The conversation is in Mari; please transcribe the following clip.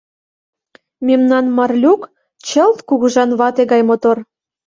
Мемнан Марлюк чылт кугыжан вате гай мотор!